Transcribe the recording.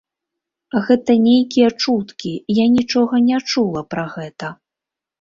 Гэта нейкія чуткі, я нічога не чула пра гэта.